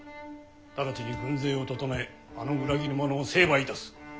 直ちに軍勢を整えあの裏切り者を成敗いたす。